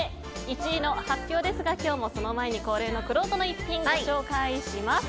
１位の発表ですが今日もその前に恒例のくろうとの逸品をご紹介します。